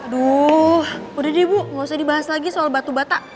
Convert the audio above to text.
aduh udah deh bu gak usah dibahas lagi soal batu batak